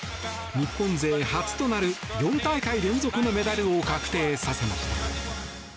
日本勢初となる４大会連続のメダルを確定させました。